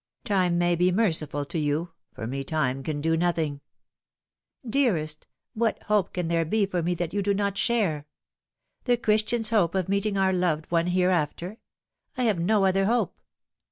Time may be merciful to you for me time can do nothing." " Dearest, what hope can there be for me that you do not Bhare ? the Christian's hope of meeting our loved one here after. I have no other hope."